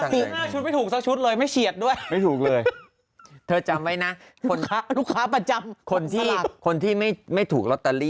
เธอก็ไม่มีงานทำก็ต้องแบบลุกยาก